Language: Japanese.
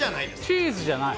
チーズじゃない？